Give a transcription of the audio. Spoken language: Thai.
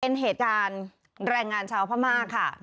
เป็นเหตุการณ์แรงงานชาวพม่าค่ะ